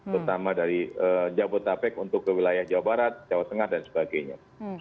terutama dari jabodetabek untuk ke wilayah jawa barat jawa tengah dan sebagainya